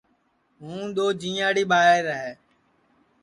ہُوں دؔو جِئیئاڑی ٻائیر ہے